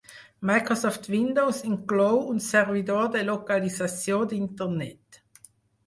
Microsoft Windows inclou un servidor de localització d'Internet.